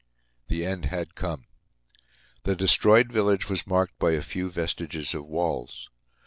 The end had come. The destroyed village was marked by a few vestiges of walls.